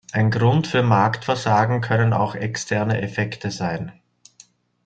Ein Grund für Marktversagen können auch externe Effekte sein.